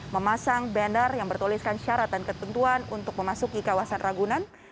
memasang banner yang bertuliskan syarat dan ketentuan untuk memasuki kawasan ragunan